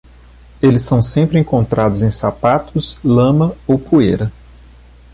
Eles são sempre encontrados em sapatos, lama ou poeira.